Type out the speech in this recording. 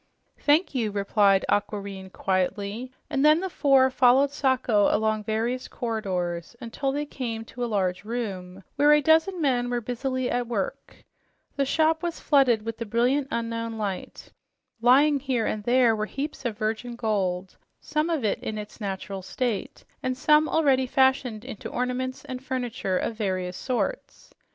"Thank you," replied Aquareine quietly, and then the four followed Sacho along various corridors until they came to a large room where a dozen men were busily at work. Lying here and there were heaps of virgin gold, some in its natural state and some already fashioned into ornaments and furniture of various sorts.